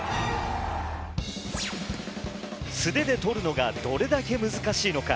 素手でとるのがどれだけ難しいのか。